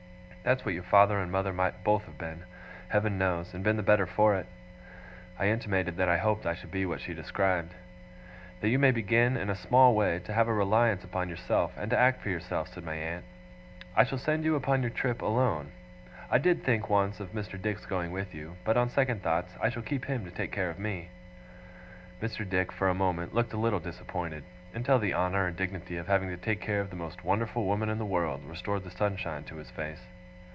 That's what your father and mother might both have been, Heaven knows, and been the better for it.' I intimated that I hoped I should be what she described. 'That you may begin, in a small way, to have a reliance upon yourself, and to act for yourself,' said my aunt, 'I shall send you upon your trip, alone. I did think, once, of Mr. Dick's going with you; but, on second thoughts, I shall keep him to take care of me.' Mr. Dick, for a moment, looked a little disappointed; until the honour and dignity of having to take care of the most wonderful woman in the world, restored the sunshine to his face.